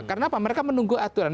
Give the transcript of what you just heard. karena apa mereka menunggu aturan